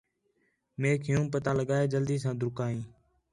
میک یوں پتہ لڳا ہے جلدی ساں ݙَر کا ہیں